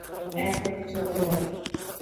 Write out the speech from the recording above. এখনই চলে যাও!